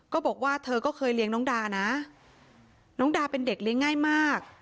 บอกว่าเธอก็เคยเลี้ยงน้องดานะน้องดาเป็นเด็กเลี้ยงง่ายมาก